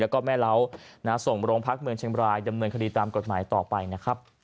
แล้วก็แม่เล้าส่งโรงพักเมืองเชียงบรายดำเนินคดีตามกฎหมายต่อไปนะครับ